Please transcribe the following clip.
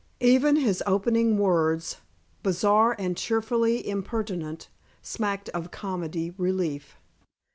Even his opening words, bizarre and cheerfully impertinent, smacked of "comic relief."